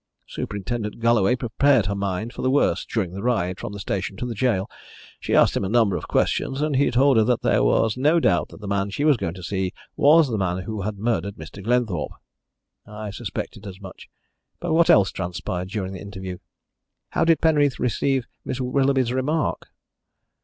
"Superintendent Galloway prepared her mind for the worst during the ride from the station to the gaol. She asked him a number of questions, and he told her that there was no doubt that the man she was going to see was the man who had murdered Mr. Glenthorpe." "I suspected as much. But what else transpired during the interview? How did Penreath receive Miss Willoughby's remark?"